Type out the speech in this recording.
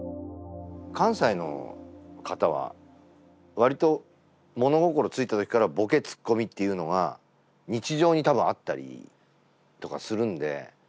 関西の方は割と物心付いた時からボケツッコミっていうのが日常に多分あったりとかするんで。